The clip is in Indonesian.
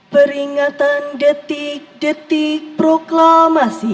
peringatan detik detik proklamasi